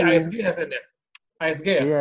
oh si asg ya